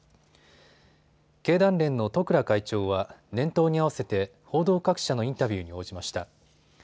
経団連の十倉会長は年頭に合わせて報道各社のインタビューに応じました。